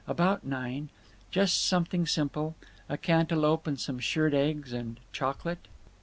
About nine? Just something simple—a canteloupe and some shirred eggs and chocolate?"